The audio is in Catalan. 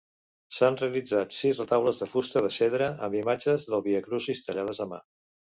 S'han realitzat sis retaules de fusta de cedre, amb imatges del viacrucis, tallades a mà.